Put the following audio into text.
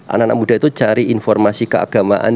anak anak muda itu cari informasi keagamaan